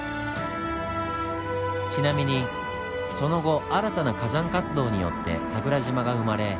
ちなみにその後新たな火山活動によって桜島が生まれ